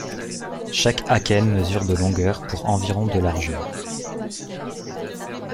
Chaque akène mesure de longueur pour environ de largeur.